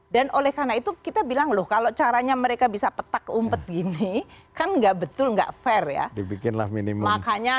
dan oleh karena itu kita bilang loh kalau caranya mereka bisa petak umpet gini kan nggak betul nggak fair ya